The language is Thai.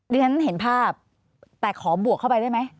เรียนเห็นภาพแต่ขอบวกเข้าไปได้ไหม